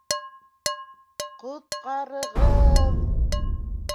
Ҡот-ҡар-ығыҙ!